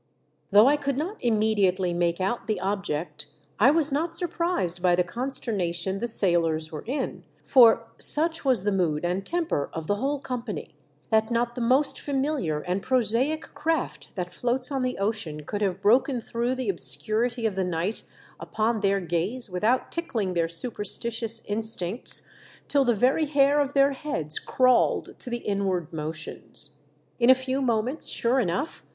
Though I could not immediately make out the object, I was not surprised by the con sternation the sailors were in ; for, such was the mood and temper of the whole company, that not the most familiar and prosaic craft that floats on the ocean could have broken through the obscurity of the night upon their gaze v/ithout tickling their superstitious in stincts, till the very hair of their heads crawled to the inward motions. In a few moments, sure enouci'h.